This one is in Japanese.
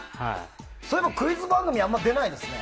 そういえばクイズ番組あまり出ないですね。